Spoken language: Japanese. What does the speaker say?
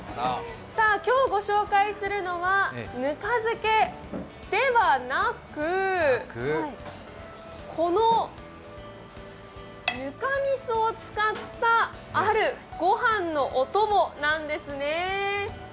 今日ご紹介するのはぬか漬けではなく、このぬかみそを使ったある、ご飯のお供なんですね。